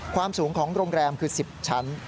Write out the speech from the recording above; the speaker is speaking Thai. ความสูงของโรงแรมคือ๑๐ชั้น